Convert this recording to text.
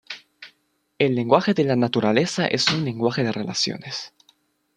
El lenguaje de la naturaleza es un lenguaje de relaciones.